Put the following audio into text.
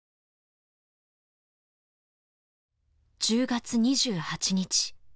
１０月２８日。